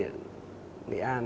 start up nghệ an